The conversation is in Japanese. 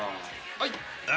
はい。